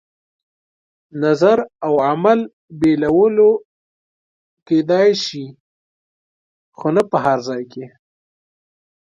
نظر او عمل بېلولو کېدای شي، خو نه په هر ځای کې.